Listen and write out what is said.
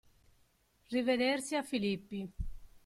Rivedersi a Filippi.